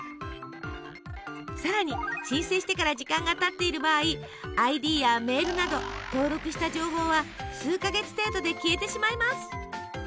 更に申請してから時間がたっている場合ＩＤやメールなど登録した情報は数か月程度で消えてしまいます。